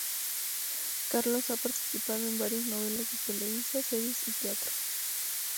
Carlos ha participado en varia novelas de Televisa, series y teatro.